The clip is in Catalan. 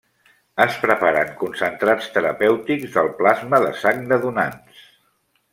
Es preparen concentrats terapèutics del plasma de sang de donants.